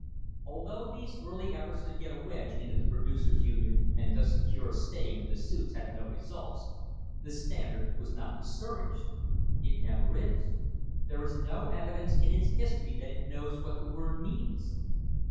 Although these early efforts to get a wedge into the Pro ducers' Union and thus secure a staying of the suits had no results, the Standard was not discouraged — it never is : there is no evidence in its history that it knows what the word means.